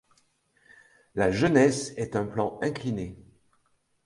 La jeunesse est un plan incliné.